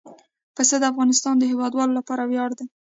پسه د افغانستان د هیوادوالو لپاره ویاړ دی.